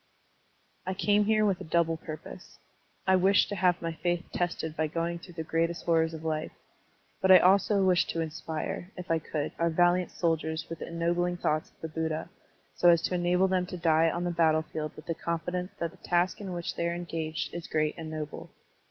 I came here with a double purpose. I wished to have my faith tested by going through the greatest horrors of life, but I also wished to inspire, if I could, our valiant soldiers with the ennobling thoughts of the Buddha, so as to enable them to die on the battlefield with the confidence that the task in which they are engaged is great and noble.